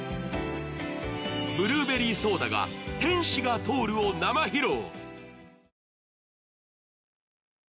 ブルーベリーソーダが「天使が通る」を生披露。